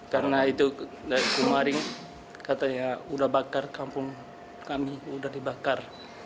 karena itu dari kemarin katanya udah bakar kampung kami udah dibakar